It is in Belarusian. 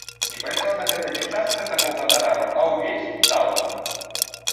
І пайшла на гэта не частка таго ганарару, а ён увесь, цалкам.